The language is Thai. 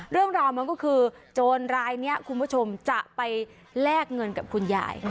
เรื่องราวมันก็คือโจรรายนี้คุณผู้ชมจะไปแลกเงินกับคุณยาย